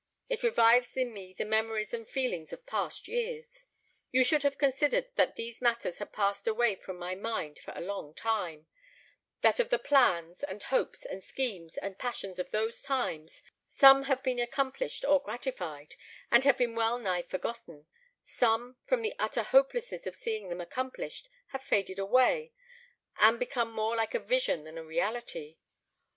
It revives in me the memories and feelings of past years. You should have considered that these matters had passed away from my mind for a long time; that of the plans, and hopes, and schemes, and passions of those times, some have been accomplished or gratified, and have been well nigh forgotten; some, from the utter hopelessness of seeing them accomplished, have faded away, and become more like a vision than a reality.